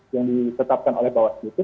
yang ditetapkan oleh bawaslu itu